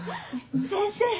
先生